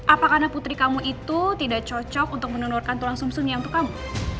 apakah anak putri kamu itu tidak cocok untuk menunurkan tulang sumsun yang itu kamu